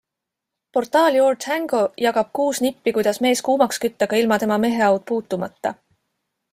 Portaal Your Tango jagab kuus nippi, kuidas mees kuumaks kütta ka ilma tema meheaud puutumata.